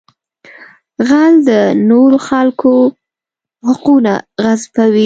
غل د نورو خلکو حقونه غصبوي